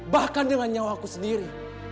bahkan dengan nyawa aku sendiri